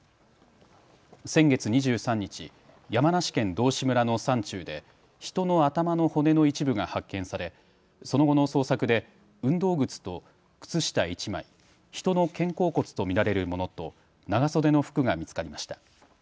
先月２３日、山梨県道志村の山中で人の頭の骨の一部が発見されその後の捜索で運動靴と靴下１枚、人の肩甲骨と見られるものと長袖の服が見つかりました。